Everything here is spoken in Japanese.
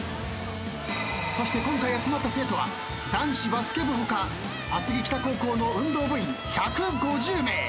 そして今回集まった生徒は男子バスケ部他厚木北高校の運動部員１５０名。